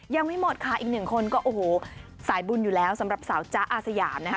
ยังไม่หมดค่ะอีกหนึ่งคนก็โอ้โหสายบุญอยู่แล้วสำหรับสาวจ๊ะอาสยามนะคะ